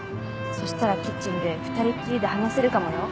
そしたらキッチンで２人っきりで話せるかもよ？